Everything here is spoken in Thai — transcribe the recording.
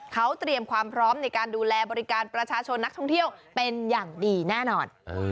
เขาเตรียมความพร้อมในการดูแลบริการประชาชนนักท่องเที่ยวเป็นอย่างดีแน่นอน